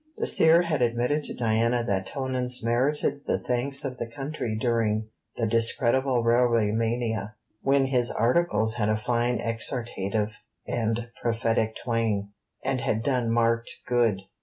Dacier had admitted to Diana that Tonans merited the thanks of the country during 'the discreditable Railway mania, when his articles had a fine exhortative and prophetic twang, and had done marked good.